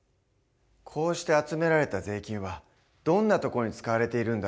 こうして集められた税金はどんなところに使われているんだろう？